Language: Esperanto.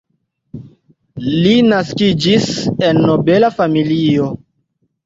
Li naskiĝis en nobela familio.